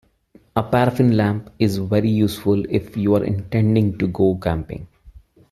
A paraffin lamp is very useful if you're intending to go camping